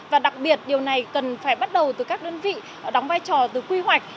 và đặc biệt điều này cần phải bắt đầu từ các đơn vị đóng vai trò từ quy hoạch